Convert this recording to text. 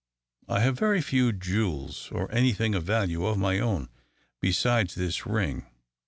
I have very few jewels or any thing of value of my own, besides this ring.